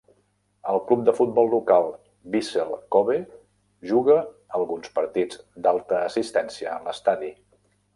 El club de futbol local Vissel Kobe juga alguns partits d'alta assistència en l'estadi.